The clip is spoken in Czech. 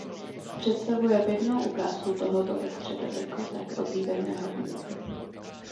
Představuje pěknou ukázku tohoto ve středověku tak oblíbeného výjevu.